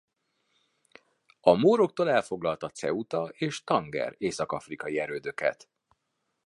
A móroktól elfoglalta Ceuta és Tanger észak-afrikai erődöket.